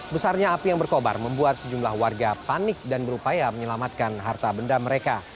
besarnya api yang berkobar membuat sejumlah warga panik dan berupaya menyelamatkan harta benda mereka